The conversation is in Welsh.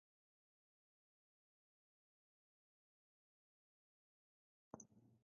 Pwy ddywedodd na all gwenwyn bigo ddwywaith?